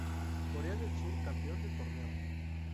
Corea del Sur campeón del torneo